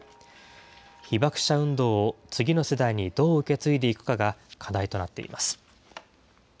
被爆者運動を次の世代にどう受け継いでいくかが課題となっています。